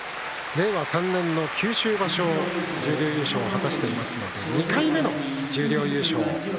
令和３年の九州場所を十両優勝果たしていますが２回目の十両優勝です。